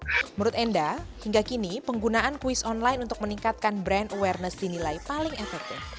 menurut enda hingga kini penggunaan kuis online untuk meningkatkan brand awareness dinilai paling efektif